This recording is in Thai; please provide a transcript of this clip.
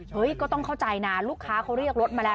ก็ต้องเข้าใจนะลูกค้าเขาเรียกรถมาแล้ว